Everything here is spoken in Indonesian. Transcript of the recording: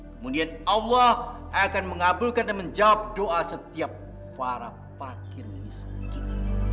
kemudian allah akan mengabulkan dan menjawab doa setiap para pakar miskin